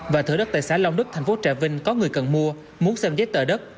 và thửa đất tại xã long đức thành phố trà vinh có người cần mua muốn xem giấy tờ đất